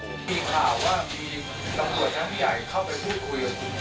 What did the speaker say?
มีข่าวว่ามีกังวลทางใหญ่เข้าไปพูดคุยกับคุณโจ้